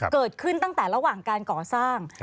เกิดขึ้นตั้งแต่ระหว่างการก่อสร้าง